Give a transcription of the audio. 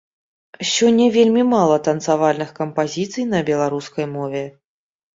Сёння вельмі мала танцавальных кампазіцый на беларускай мове.